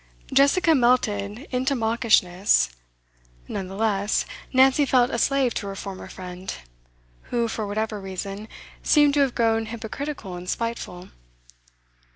Jessica melted into mawkishness; none the less, Nancy felt a slave to her former friend, who, for whatever reason, seemed to have grown hypocritical and spiteful.